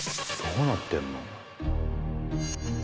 どうなってるの？